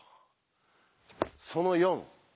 その４。